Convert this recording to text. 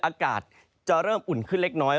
อากาศจะเริ่มอุ่นขึ้นเล็กน้อย